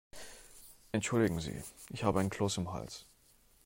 Entschuldigen Sie, ich habe einen Kloß im Hals.